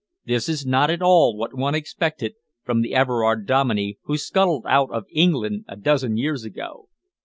This is not at all what one expected from the Everard Dominey who scuttled out of England a dozen years ago."